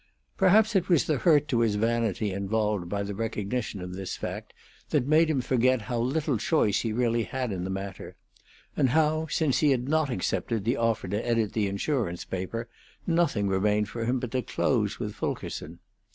Perhaps it was the hurt to his vanity involved by the recognition of this fact that made him forget how little choice he really had in the matter, and how, since he had not accepted the offer to edit the insurance paper, nothing remained for him but to close with Fulkerson.